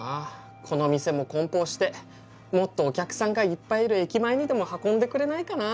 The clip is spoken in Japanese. この店も梱包してもっとお客さんがいっぱいいる駅前にでも運んでくれないかな。